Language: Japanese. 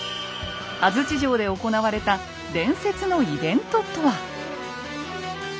安土城で行われた伝説のイベントとは？